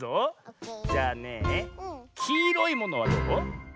じゃあねえ「きいろいもの」はどう？